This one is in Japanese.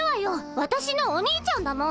わたしのお兄ちゃんだもん。